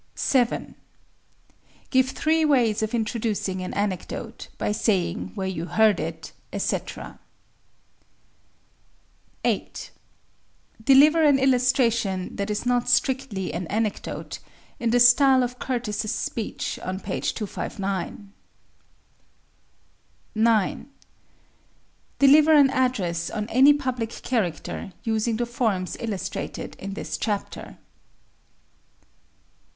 7. Give three ways of introducing an anecdote, by saying where you heard it, etc. 8. Deliver an illustration that is not strictly an anecdote, in the style of Curtis's speech on page 259. 9. Deliver an address on any public character, using the forms illustrated in this chapter.